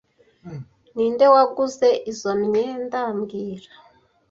Ninde waguze izoi myenda mbwira